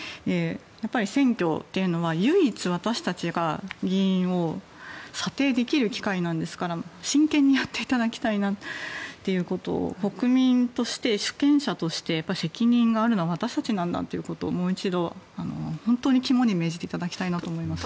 やっぱり、選挙というのは唯一、私たちが議員を査定できる機会なんですから真剣にやっていただきたいなということを国民として、主権として責任があるのは私たちなんだということをもう一度、本当に肝に銘じていただきたいなと思います。